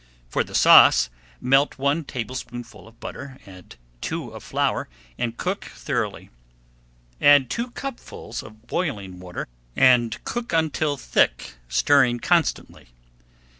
For the sauce, melt one tablespoonful of butter, add two of flour, and cook thoroughly. Add two cupfuls of [Page 166] boiling water, and cook until thick, stirring constantly.